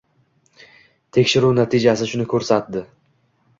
Tekshiruv natijasi shuni koʻrsatdi.